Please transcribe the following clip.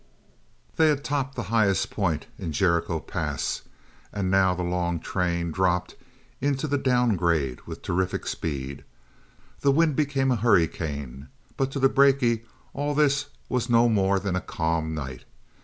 They had topped the highest point in Jericho Pass and now the long train dropped into the down grade with terrific speed. The wind became a hurricane. But to the brakie all this was no more than a calm night.